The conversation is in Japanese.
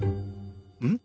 うん？